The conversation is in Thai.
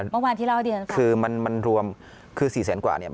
เมื่อวานที่เล่าเรียนคือมันมันรวมคือสี่แสนกว่าเนี่ย